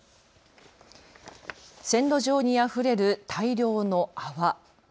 線路上にあふれる大量の泡。